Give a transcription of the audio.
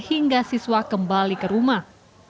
hingga siswa kembali ke rumah